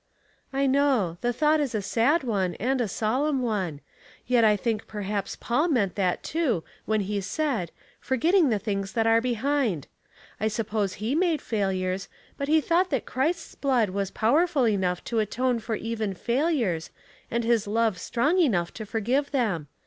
"I know. The thought is a sad one, and a solemn one ; yet I think perhaps Paul meant that, too, when he said, " Forgetting the things that are behind." I suppose he made failures, but he thought that Christ's blood was powerful enough to atone for even failures, and his love strong enough to forgive them.